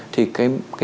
thì cái mức này